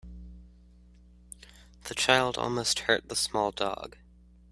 The child almost hurt the small dog.